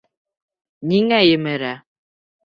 Ниңә емерә?